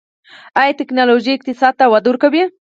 آیا ټیکنالوژي اقتصاد ته وده ورکوي؟